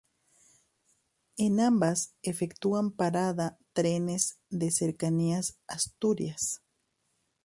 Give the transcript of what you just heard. En ambas efectúan parada trenes de Cercanías Asturias